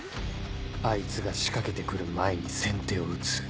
あいつが仕掛けて来る前に先手を打つ